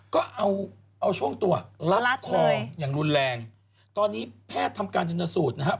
ก็เอาเอาช่วงตัวลัดคออย่างรุนแรงตอนนี้แพทย์ทำการชนสูตรนะครับ